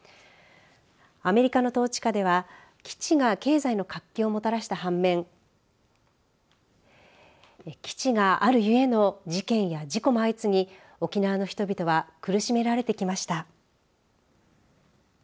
アメリカの統治下では基地が経済の活気をもたらした反面基地があるゆえの事件や事故も相次ぎ沖縄の人々は苦しめられてきました。